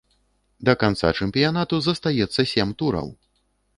Да канца чэмпіянату застаецца сем тураў.